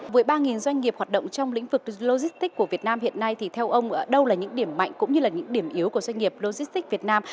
với ba doanh nghiệp hoạt động trong lĩnh vực logistics của việt nam hiện nay thì theo ông đâu là những điểm mạnh cũng như là những điểm yếu của doanh nghiệp logistics việt nam